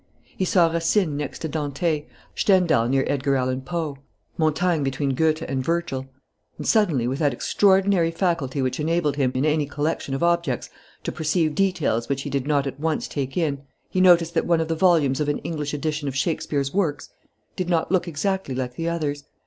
He saw Racine next to Dante, Stendhal near Edgar Allan Poe, Montaigne between Goethe and Virgil. And suddenly, with that extraordinary faculty which enabled him, in any collection of objects, to perceive details which he did not at once take in, he noticed that one of the volumes of an English edition of Shakespeare's works did not look exactly like the others.